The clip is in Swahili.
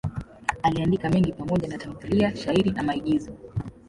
Aliandika mengi pamoja na tamthiliya, shairi na maigizo.